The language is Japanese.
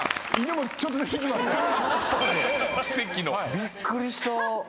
びっくりした。